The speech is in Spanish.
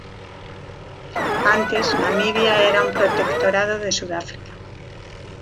Antes Namibia era un protectorado de Sudáfrica.